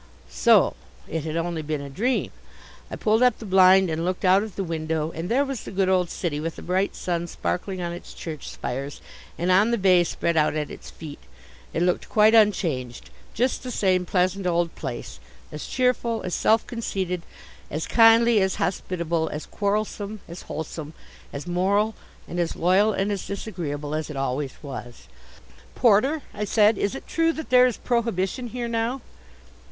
So! It had only been a dream. I pulled up the blind and looked out of the window and there was the good old city, with the bright sun sparkling on its church spires and on the bay spread out at its feet. It looked quite unchanged: just the same pleasant old place, as cheerful, as self conceited, as kindly, as hospitable, as quarrelsome, as wholesome, as moral and as loyal and as disagreeable as it always was. "Porter," I said, "is it true that there is prohibition here now?"